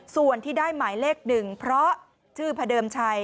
ส่วนที่ได้หมายเลข๑เพราะชื่อพระเดิมชัย